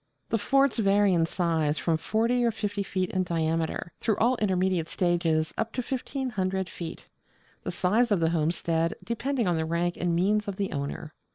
The forts vary in size from 40 or 50 feet in diameter, through all intermediate stages up to 1,500 feet: the size of the homestead depending on the rank and means of the owner.